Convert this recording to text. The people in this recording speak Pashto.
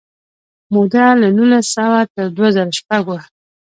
موده له نولس سوه تر دوه زره شپږ وه.